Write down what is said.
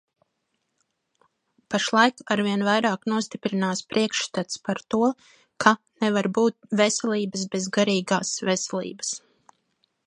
Pašlaik arvien vairāk nostiprinās priekšstats par to, ka nevar būt veselības bez garīgās veselības.